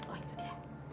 oh itu dia